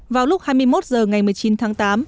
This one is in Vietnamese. vào lúc hai mươi một h ngày một mươi chín tháng tám